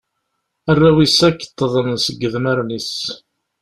Arraw-is akk ṭṭḍen seg idmaren-is.